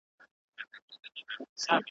د هغه له معنا او مفهوم څخه عاجز سي ,